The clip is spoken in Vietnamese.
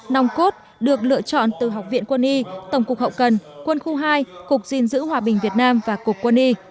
nòng cốt được lựa chọn từ học viện quân y tổng cục hậu cần quân khu hai cục gìn giữ hòa bình việt nam và cục quân y